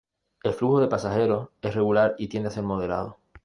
El flujo de pasajeros es regular y tiende a ser moderado.